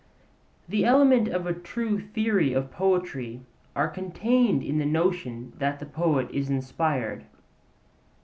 The elements of a true theory of poetry are contained in the notion that the poet is inspired.